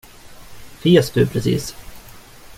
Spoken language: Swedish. Fes du precis?